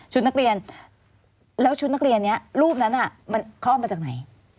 นักเรียนแล้วชุดนักเรียนนี้รูปนั้นมันคลอดมาจากไหน